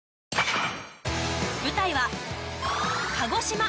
舞台は鹿児島。